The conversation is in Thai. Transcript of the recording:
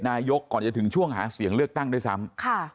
ก่อนจะถึงช่วงหาเสียงเลือกตั้งด้วยซ้ำ